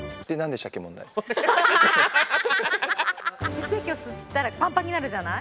血液を吸ったらぱんぱんになるじゃない？